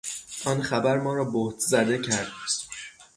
آن خبر ما را بهت زده کرد.